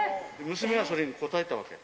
娘はそれに応えたわけ。